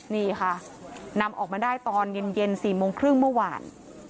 นี่ค่ะนำออกมาได้ตอนเย็น๔โมงครึ่งเมื่อวาน